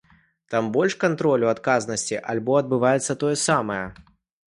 Там больш кантролю, адказнасці альбо адбываецца тое самае?